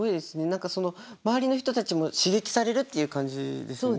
何かその周りの人たちも刺激されるっていう感じですよね。